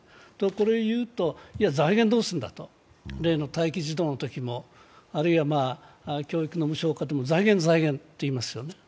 これを言うと、財源どうするんだと待機児童のときもあるいは教育の無償化でも、財源、財源って言いますよね。